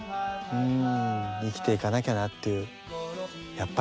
うん。